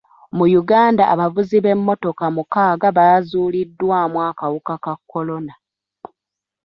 Mu Uganda abavuzi b'emmotoka mukaaga baazuuliddwamu akawuka ka kolona.